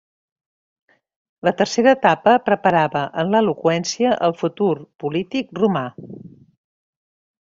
La tercera etapa preparava en l'eloqüència al futur polític romà.